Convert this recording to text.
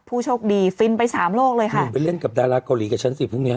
ผู้โชคดีฟินไปสามโลกเลยค่ะไปเล่นกับดาราเกาหลีกับฉันสิพรุ่งเนี้ย